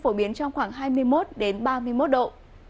phổ biến trong khoảng hai mươi một ba mươi một độ